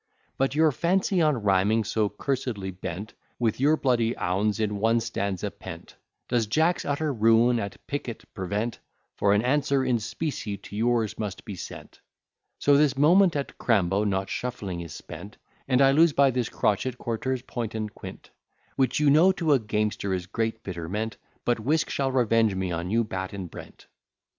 But your fancy on rhyming so cursedly bent, With your bloody ouns in one stanza pent; Does Jack's utter ruin at picket prevent, For an answer in specie to yours must be sent; So this moment at crambo (not shuffling) is spent, And I lose by this crotchet quaterze, point, and quint, Which you know to a gamester is great bitterment; But whisk shall revenge me on you, Batt, and Brent.